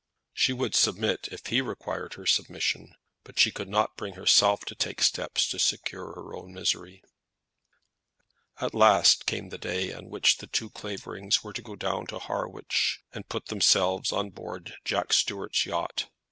She would submit, if he required her submission; but she could not bring herself to take steps to secure her own misery. CHAPTER XXXIX. FAREWELL TO DOODLES. At last came the day on which the two Claverings were to go down to Harwich and put themselves on board Jack Stuart's yacht.